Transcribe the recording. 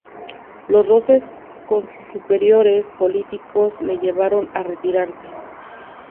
Los roces con sus superiores políticos le llevaron a retirarse.